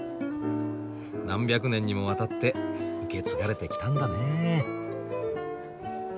何百年にもわたって受け継がれてきたんだね。